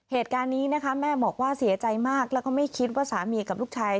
เหตุการณ์นี้นะคะแม่บอกว่าเสียใจมากแล้วก็ไม่คิดว่าสามีกับลูกชาย